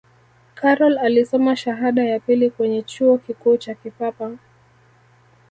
karol alisoma shahada ya pili kwenye chuo kikuu cha kipapa